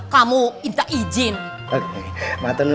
kamu enggak izin